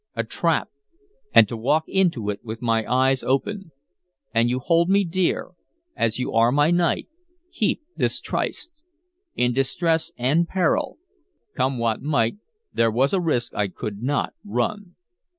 A trap... and to walk into it with my eyes open.... An you hold me dear. As you are my knight, keep this tryst. In distress and peril.... Come what might, there was a risk I could not run.